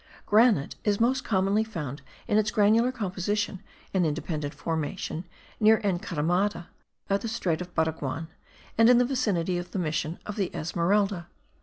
Granite is most commonly found in its granular composition and independent formation, near Encaramada, at the strait of Baraguan, and in the vicinity of the mission of the Esmeralda.